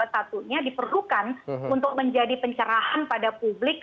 satunya diperlukan untuk menjadi pencerahan pada publik